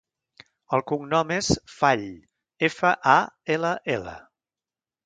El cognom és Fall: efa, a, ela, ela.